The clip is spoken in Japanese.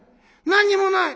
「何にもない！